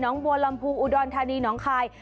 น้องบัวลำพูอุดอนทันีน้องคาย